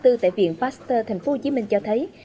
tại viện pasteur thành phố hồ chí minh cho thấy